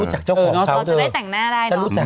จะได้แต่งหน้าได้หรือ